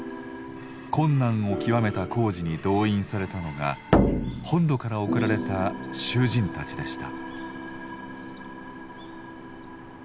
困難を窮めた工事に動員されたのが本土から送られた囚人たちでした。